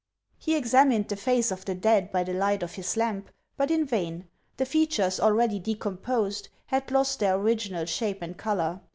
" He examined the face of the dead by the light of his lamp, but in vain ; the features, already decomposed, had lost their original shape and color.